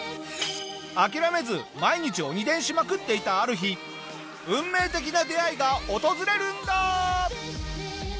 諦めず毎日鬼電しまくっていたある日運命的な出会いが訪れるんだ！